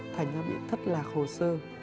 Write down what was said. thành ra bị thất lạc hồ sơ